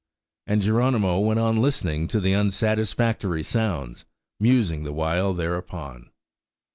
And Geronimo went on listening to the unsatisfactory sounds, musing the while thereupon.